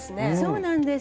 そうなんです。